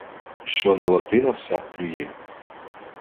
Що на Латина всяк плює